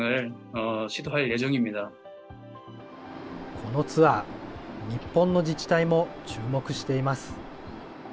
このツアー、日本の自治体も注目しています。